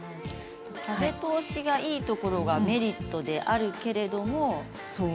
風通しがいいところがメリットであるけれども。